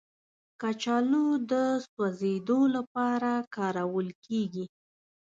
کچالو د سوځیدو لپاره کارول کېږي